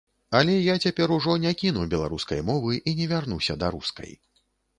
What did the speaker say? Але я цяпер ужо не кіну беларускай мовы і не вярнуся да рускай.